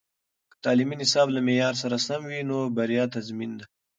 که تعلیمي نصاب له معیار سره سم وي، نو بریا تضمین ده.